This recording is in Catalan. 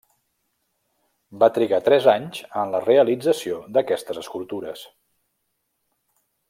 Va trigar tres anys en la realització d'aquestes escultures.